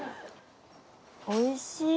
おいしい！